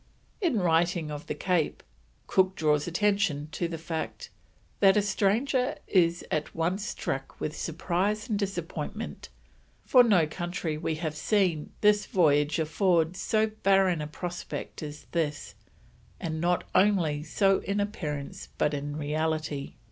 In writing of the Cape, Cook draws attention to the fact: "that a stranger is at once struck with surprise and disappointment, for no country we have seen this voyage affords so barren a prospect as this, and not only so in appearance but in reality."